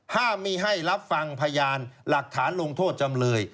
ห้ามไม่ให้รับฟังพยานหลักฐานลงโทษจำเลย